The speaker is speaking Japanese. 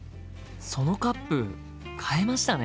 そのカップ変えましたね？